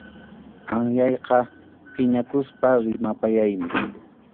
Anyayqa phiñakuspa rimapayaymi.